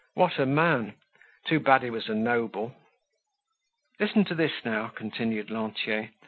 What a man! Too bad he was a noble. "Listen to this now," continued Lantier.